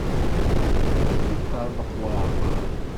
Yeṭṭerḍeq waεbar.